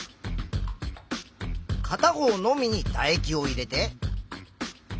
かた方のみにだ液を入れて。